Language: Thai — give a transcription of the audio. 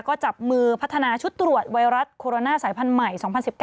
ก็จับมือพัฒนาชุดตรวจไวรัสโคโรนาสายพันธุ์ใหม่๒๐๑๙